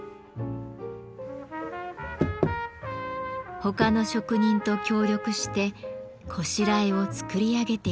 他の職人と協力して拵を作り上げていきます。